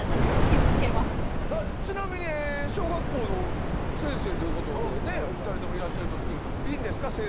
さあちなみに小学校の先生ということでねお二人ともいらっしゃいますけれどいいんですか？